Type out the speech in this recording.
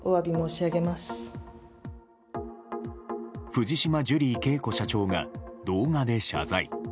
藤島ジュリー景子社長が動画で謝罪。